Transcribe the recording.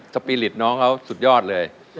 สปีริตน้องเขาสุดยอดเลย